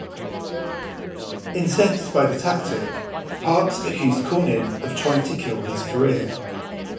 Incensed by the tactic, Parks accused Cornyn of trying to kill his career.